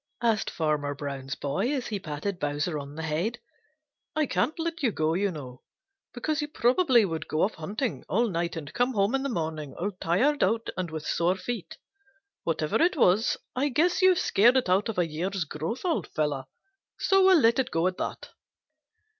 asked Farmer Brown's boy as he patted Bowser on the head. "I can't let you go, you know, because you probably would go off hunting all night and come home in the morning all tired out and with sore feet. Whatever it was, I guess you've scared it out of a year's growth, old fellow, so we'll let it go at that."